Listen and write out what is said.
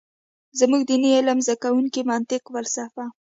زمونږ ديني علم زده کوونکي منطق ، فلسفه ،